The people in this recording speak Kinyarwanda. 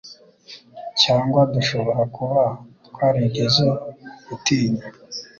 cyangwa dushobora kuba twarigeze gutinya